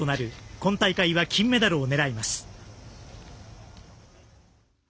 今大会は金メダルを狙います。